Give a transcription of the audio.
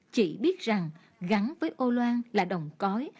chỉ biết rằng gắn với ô loan là đồng cói